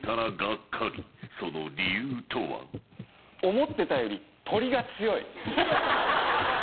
思ってたより鳥が強い。